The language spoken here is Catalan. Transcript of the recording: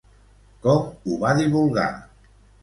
Com ho va divulgar?